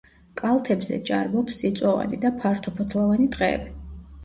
კალთებზე ჭარბობს წიწვოვანი და ფართოფოთლოვანი ტყეები.